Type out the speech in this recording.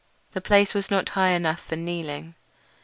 The place was not high enough for kneeling.